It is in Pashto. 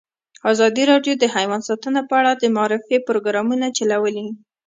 ازادي راډیو د حیوان ساتنه په اړه د معارفې پروګرامونه چلولي.